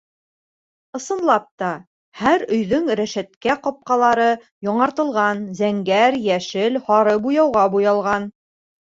Ысынлап та, һәр өйҙөң рәшәткә-ҡапҡалары яңыртылған, зәңгәр, йәшел, һары буяуға буялған.